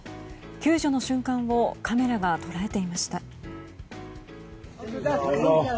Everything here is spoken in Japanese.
救助の瞬間をカメラが捉えていました。